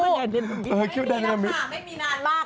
ไม่มีน้ำถ่างไม่มีนานมาก